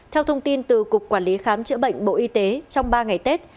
theo thông tin từ cục quản lý khám chữa bệnh bộ y tế trong ba ngày tết